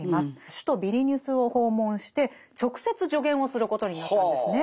首都ビリニュスを訪問して直接助言をすることになったんですね。